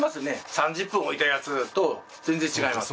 ３０分置いたやつと全然違います。